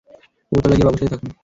ওপরতলায় গিয়ে বাবুর সাথে থাকুন।